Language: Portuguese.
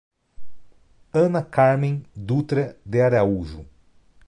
Ana Carmem Dutra de Araújo